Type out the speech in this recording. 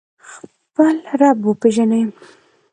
خپل رب وپیژنئ